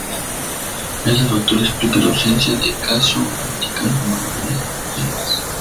Este factor explica la ausencia de caso gramatical en la mayoría de lenguas.